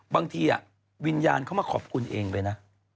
วิญญาณเขามาขอบคุณเองเลยนะ